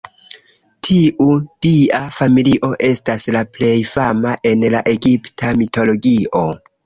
Tiu dia familio estas la plej fama en la egipta mitologio.